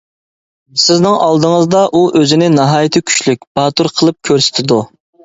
سىزنىڭ ئالدىڭىزدا ئۇ ئۆزىنى ناھايىتى كۈچلۈك، باتۇر قىلىپ كۆرسىتىدۇ.